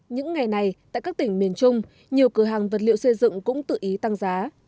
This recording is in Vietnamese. những ngày này tại các tỉnh miền trung nhiều cửa hàng vật liệu xây dựng cũng tự ý tăng giá